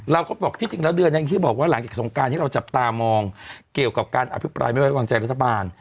เราก็บอกที่จริงแล้วเดือนอย่างที่บอกว่าหลังจากสงการที่เราจับตามองเกี่ยวกับการอภิปรายไม่ไว้วางใจรัฐบาล